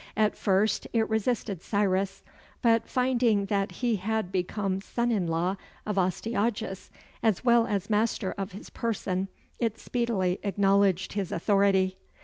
At first it resisted Cyrus, but finding that he had become son in law of Astyages, as well as master of his person, it speedily acknowledged his authority.